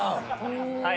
はい！